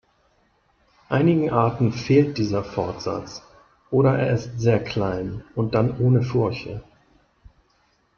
Einigen Arten fehlt dieser Fortsatz oder er ist sehr klein und dann ohne Furche.